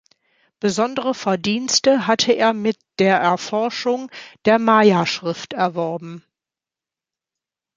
Besondere Verdienste hatte er mit der Erforschung der Maya-Schrift erworben.